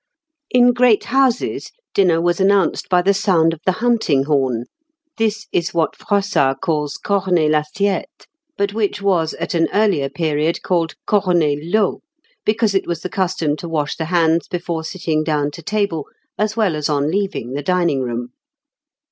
In great houses, dinner was announced by the sound of the hunting horn; this is what Froissard calls corner l'assiette, but which was at an earlier period called corner l'eau, because it was the custom to wash the hands before sitting down to table as well as on leaving the dining room.